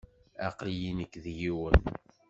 Aql-iyi nekk d yiwen.